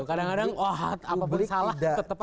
kadang kadang wah apapun salah tetap